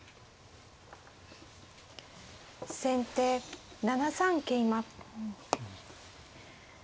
先手７三桂馬。